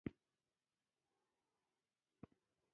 پکتیکا د افغانستان د جغرافیې یوه خورا غوره او لوړه بېلګه ده.